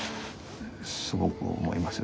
すごく思いますよ